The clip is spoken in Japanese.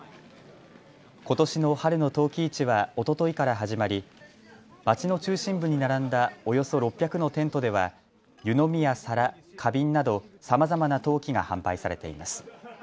ことしの春の陶器市はおとといから始まり町の中心部に並んだおよそ６００のテントでは湯飲みや皿、花瓶などさまざまな陶器が販売されています。